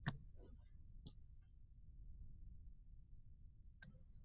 Tobim qochdi deya tabib oyogʼiga bosh urdim.